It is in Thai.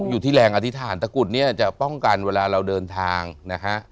อยู่ที่แรงอธิษฐานตะกุดเนี่ยจะป้องกันเวลาเราเดินทางนะฮะ